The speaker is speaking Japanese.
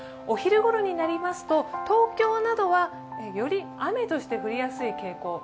お昼頃になりますと、東京などはより、雨として降りやすい傾向。